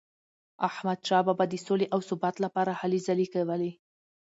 احمدشاه بابا د سولې او ثبات لپاره هلي ځلي کولي.